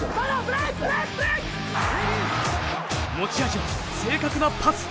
持ち味は正確なパス。